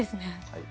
はい。